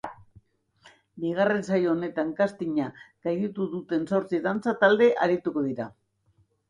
Bigarren saio honetan castinga gainditu duten zotzi dantza talde arituko dira.